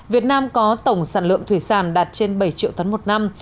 việt nam có tổng sản lượng thủy sản đạt trên bảy triệu tấn một năm